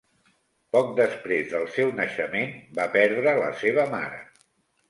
Poc després del seu naixement, va perdre la seva mare.